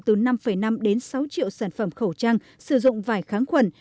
từ năm năm đến sáu triệu sản phẩm khẩu trang sử dụng vải kháng khuẩn